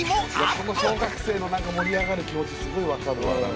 この小学生の盛り上がる気持ちすごいわかるわ。